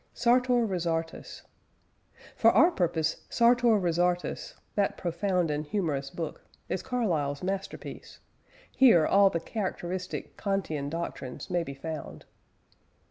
SARTOR RESARTUS. For our purpose, Sartor Resartus that profound and humorous book is Carlyle's masterpiece: here all the characteristic Kantian doctrines may be found.